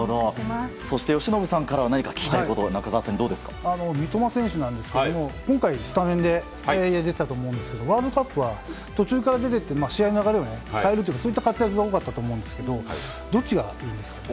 そして、由伸さんからは何か聞きたいことは三笘選手なんですけど今回、スタメンで出ていたと思うんですけどもワールドカップは途中から出ていって試合の流れを変えるというかそういった活躍が多かったと思うんですけどどっちがいいんですかね。